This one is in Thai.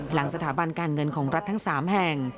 หลังสถาบันการเงินของรัฐทั้ง๓แห่ง